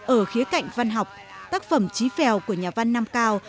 ở khía cạnh văn học tác phẩm trí phèo của nhà văn nam cao